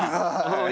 はい。